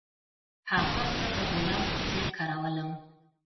هغه زه د غلام په څیر کارولم.